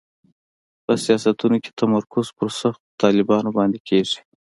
په سیاستونو کې تمرکز پر سختو طالبانو باندې کېږي.